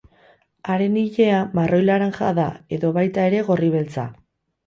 Haren ilea marroi-laranja da edo baita ere gorri-beltza.